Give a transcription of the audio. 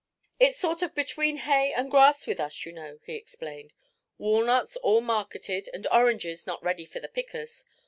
"It's sort of between hay and grass with us, you know," he explained. "Walnuts all marketed and oranges not ready for the pickers.